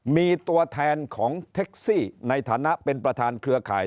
มีตัวแทนของแท็กซี่ในฐานะเป็นประธานเครือข่าย